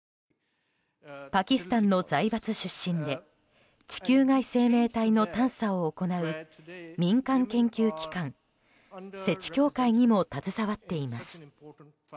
パキスタンの財閥出身で地球外生命体の探査を行う民間研究機関ＳＥＴＩ協会にも携わっています。